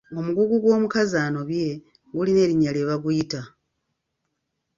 Omugugu gw’omukazi anobye gulina erinnya lye baguyita.